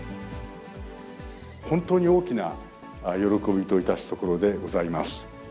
本当に大きな喜びといたすところでございます。